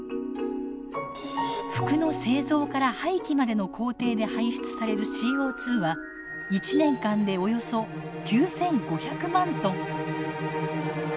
服の製造から廃棄までの工程で排出されるＣＯ２は１年間でおよそ９，５００万トン。